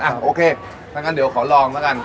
อ่ะโอเคด้วยเดี๋ยวขอลองด้วยกัน